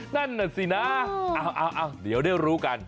นั่นสินะเอาเดี๋ยวรู้กัน